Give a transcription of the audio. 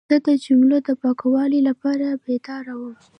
زه د جملو د پاکوالي لپاره بیدار وم.